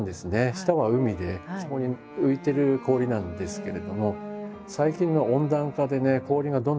下は海でそこに浮いてる氷なんですけれども最近の温暖化でね氷がどんどんどんどんとけて。